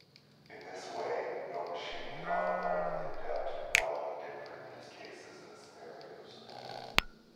In this way NoMachine can automatically adapt to widely different use-cases and scenarios.